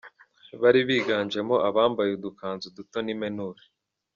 Bari biganjemo abambaye udukanzu duto n’impenure.